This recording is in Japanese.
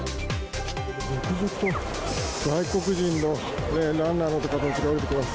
続々と、外国人のランナーの方たちが降りてきます。